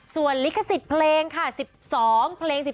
ส่วนลิขสิทธิ์เพลงค่ะ๑๒เพลง๑๒